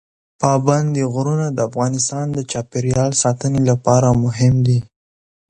پابندی غرونه د افغانستان د چاپیریال ساتنې لپاره مهم دي.